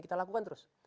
kita lakukan terus